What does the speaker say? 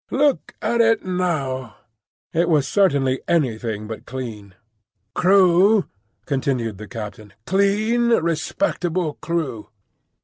Look at it now!" It was certainly anything but clean. "Crew," continued the captain, "clean, respectable crew."